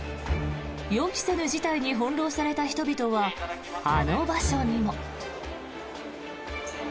予期せぬ事態に翻ろうされた人々はあの場所にも。